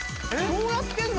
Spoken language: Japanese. どうやってんの？